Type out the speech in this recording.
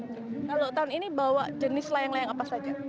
kalau tahun ini bawa jenis layang layang apa saja